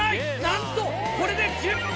なんとこれで１０匹目！